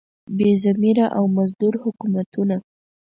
بې ضمیره او مزدور حکومتونه.